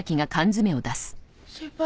先輩